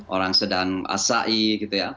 orang sedang asai gitu ya